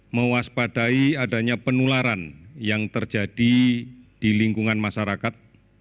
mewaspadai adanya penularan yang terjadi di lingkungan masyarakat